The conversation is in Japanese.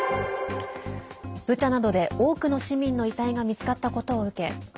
ブチャなどで多くの市民の遺体が見つかったことを受け